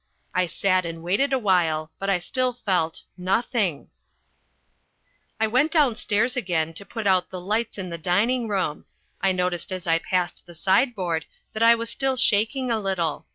I sat and waited awhile, but I still felt nothing. I went downstairs again to put out the lights in the dining room. I noticed as I passed the sideboard that I was still shaking a little.